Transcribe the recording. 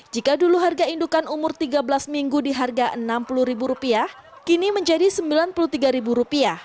jika dulu harga indukan umur tiga belas minggu di harga rp enam puluh kini menjadi rp sembilan puluh tiga